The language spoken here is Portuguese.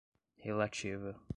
relativa